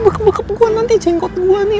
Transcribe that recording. baka baka gue nanti jenggot gue nih